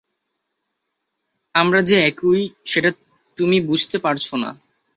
আমরা যে একই, সেটা তুমি বুঝতে পারছো না।